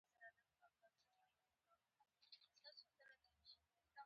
تر ټولو لږو وکیلانو ته ورغلی وم.